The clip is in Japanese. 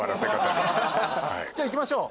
じゃあいきましょう！